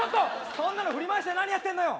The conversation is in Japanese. そんなの振り回して何やってんのよ